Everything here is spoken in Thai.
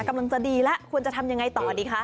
กำลังจะดีแล้วควรจะทำยังไงต่อดีคะ